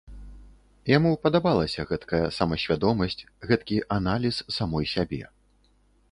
Яму падабалася гэткая самасвядомасць, гэткі аналіз самой сябе.